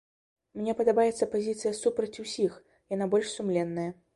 Мне падабаецца пазіцыя супраць усіх, яна больш сумленная.